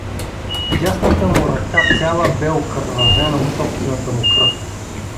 Дясната му ръка цяла бе окървавена от собствената му кръв.